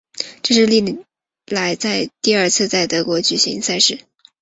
这是历来第二次在德国举行赛事。